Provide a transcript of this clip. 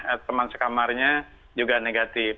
eh teman sekamarnya juga negatif